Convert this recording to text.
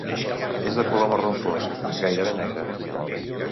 És de color marró fosc, gairebé negre.